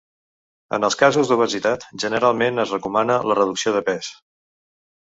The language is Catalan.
En els casos d'obesitat, generalment es recomana la reducció de pes.